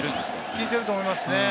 効いてると思いますね。